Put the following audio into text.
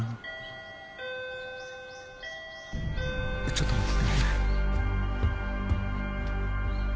ちょっと待っててね。